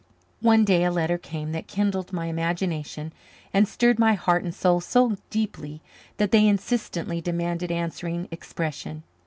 One day a letter came that kindled my imagination and stirred my heart and soul so deeply that they insistently demanded answering expression.